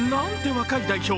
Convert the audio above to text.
若い代表。